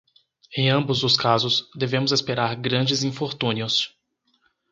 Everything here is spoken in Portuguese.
Em ambos os casos, devemos esperar grandes infortúnios.